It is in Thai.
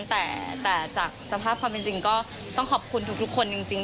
แต่จากสภาพความเป็นจริงก็ต้องขอบคุณทุกคนจริง